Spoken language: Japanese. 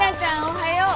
おはよう。